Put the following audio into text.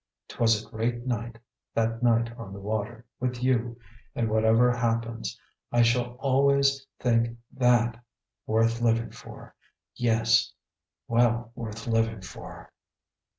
'Twas a great night, that night on the water, with you; and whatever happens, I shall always think that worth living for; yes, well worth living for."